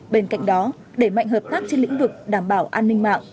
bên cạnh đó đẩy mạnh hợp tác trên lĩnh vực đảm bảo an ninh mạng